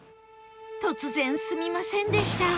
突然すみませんでした